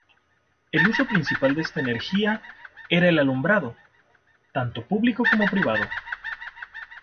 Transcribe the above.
El uso principal de esta energía era el alumbrado, tanto público como privado.